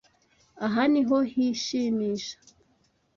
Aha niho hishimisha.